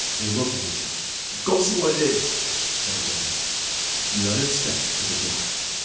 They looked at each other. "Go see what it is," said Gorman. The other stepped to the door.